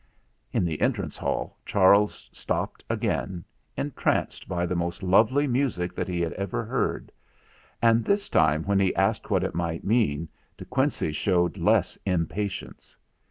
In the entrance hall Charles stopped again, entranced by the most lovely music that he had ever heard ; and this time when he asked what it might mean De Quincey showed less impa tience.